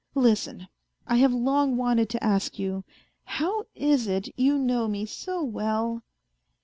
Listen ... I have long wanted to ask you, how is it you know me so well